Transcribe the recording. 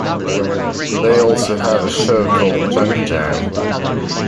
They also have a show called Junk Jam!